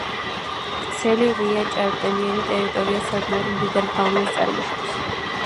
ვრცელი, ღია ჭარბტენიანი ტერიტორია საკმაოდ მდიდარ ფაუნას წარმოშობს.